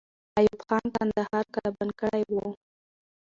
ایوب خان کندهار قلابند کړی وو.